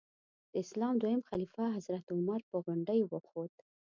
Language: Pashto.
د اسلام دویم خلیفه حضرت عمر په غونډۍ وخوت.